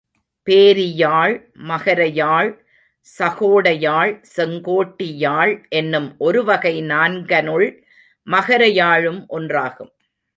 பேரியாழ், மகரயாழ், சகோட யாழ், செங்கோட்டி யாழ் என்னும் ஒருவகை நான்கனுள் மகர யாழும் ஒன்றாகும்.